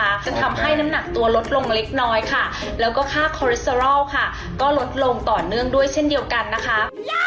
จนทำให้น้ำหนักตัวลดลงเล็กน้อยค่ะแล้วก็ค่าคอเรสเตอรอลค่ะก็ลดลงต่อเนื่องด้วยเช่นเดียวกันนะคะ